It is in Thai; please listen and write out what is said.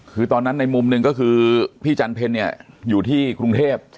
คือตอนนั้นในมุมหนึ่งก็คือพี่จันเพลเนี่ยอยู่ที่กรุงเทพ